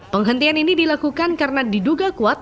penghentian ini dilakukan karena diduga kuat